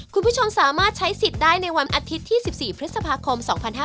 คุณผู้ชมสามารถใช้สิทธิ์ได้ในวันอาทิตย์ที่๑๔พฤษภาคม๒๕๕๙